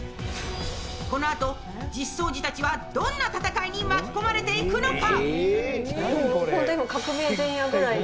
このあと、実相寺たちはどんな戦いに巻き込まれていくのか。